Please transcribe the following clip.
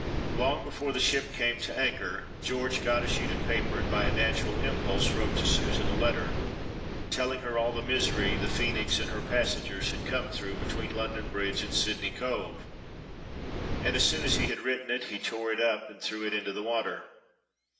Long before the ship came to an anchor George got a sheet of paper and by a natural impulse wrote to Susan a letter, telling her all the misery the Phoenix and her passengers had come through between London Bridge and Sydney Cove, and as soon as he had written it he tore it up and threw it into the water.